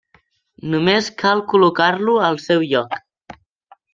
Només cal col·locar-lo al seu lloc.